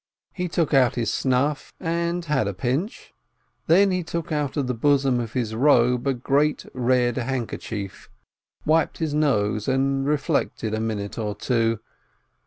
He took out his snuff, and had a pinch, then he took out of the bosom of his robe a great red handker chief, wiped his nose, and reflected a minute or two.